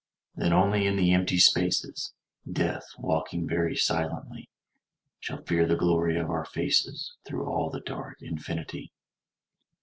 Then only in the empty spaces, Death, walking very silently, Shall fear the glory of our faces Through all the dark infinity.